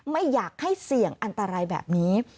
ไม่อยากให้เสี่ยงอันตรายแบบนี้